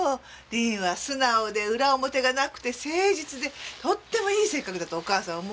りんは素直で裏表がなくて誠実でとってもいい性格だとお母さんは思うわよ。